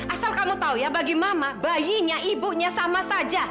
asal kamu tahu ya bagi mama bayinya ibunya sama saja